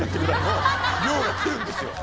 が来るんですよ。